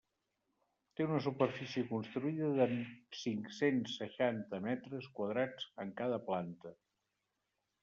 Té una superfície construïda de cinc-cents seixanta metres quadrats en cada planta.